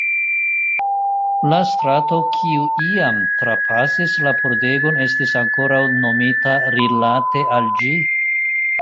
La strato kiu iam trapasis la pordegon estas ankoraŭ nomita rilate al ĝi.